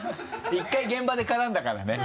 １回現場で絡んだからね。